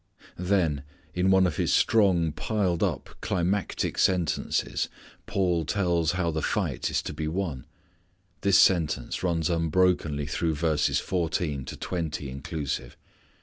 Then in one of his strong piled up climactic sentences Paul tells how the fight is to be won. This sentence runs unbroken through verses fourteen to twenty inclusive.